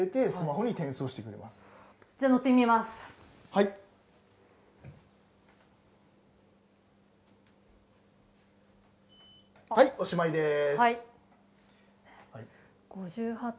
はい、おしまいです。